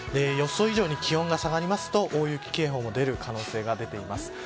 予想以上に気温が下がりますと大雪警報が出る可能性が出ています。